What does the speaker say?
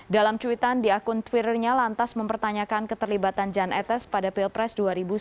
dalam cuitan di akun twitternya lantas mempertanyakan keterlibatan jan etes pada pilpres dua ribu sembilan belas